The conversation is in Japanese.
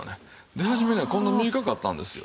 出始めにはこんな短かったんですよ。